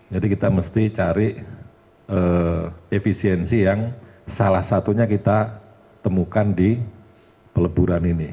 jadi kita mesti cari efisiensi yang salah satunya kita temukan di peleburan ini